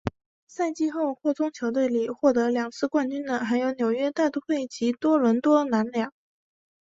季后赛扩充球队里面获得两次冠军的还有纽约大都会及多伦多蓝鸟。